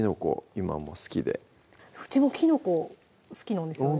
今もう好きでうちもきのこ好きなんですよね